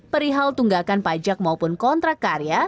perihal tunggakan pajak maupun kontrak karya